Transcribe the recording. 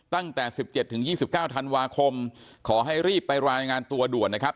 ตั้งแต่สิบเจ็ดถึงยี่สิบเก้าธันวาคมขอให้รีบไปรายงานตัวด่วนนะครับ